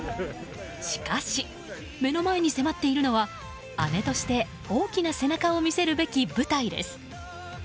しかし、目の前に迫っているのは姉として大きな背中を見せるべき舞台です。